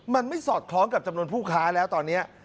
มันไม่สอดคล้องกับจำนวนผู้ค้าแล้วตอนนี้